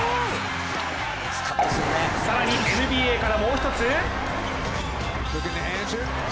更にＮＢＡから、もう一つ。